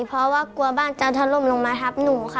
เพราะว่ากลัวบ้านจะถล่มลงมาทับหนูค่ะ